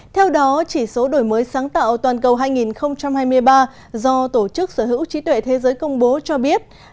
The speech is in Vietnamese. theo đó chỉ số đổi mới sáng tạo toàn cầu hai nghìn hai mươi ba do tổ chức sở hữu trí tuệ thế giới công bố cho biết